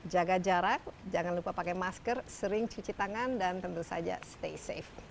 jaga jarak jangan lupa pakai masker sering cuci tangan dan tentu saja stay safe